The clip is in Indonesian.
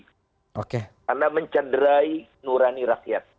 karena mencederai nurani rakyat